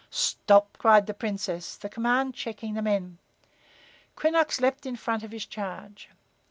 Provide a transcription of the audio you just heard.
"Stop!" cried the Princess, the command checking the men. Quinnox leaped in front of his charge.